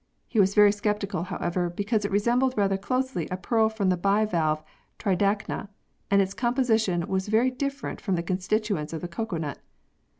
He was very scep tical, however, because it resembled rather closely a pearl from the bivalve Tridacna and its composition was very different from the constituents of the cocoa nut.